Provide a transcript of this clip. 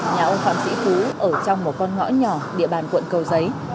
nhà ông phạm sĩ phú ở trong một con ngõ nhỏ địa bàn quận cầu giấy